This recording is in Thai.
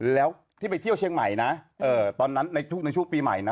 แล้วที่ไปเที่ยวเชียงใหม่นะตอนนั้นในช่วงปีใหม่นะ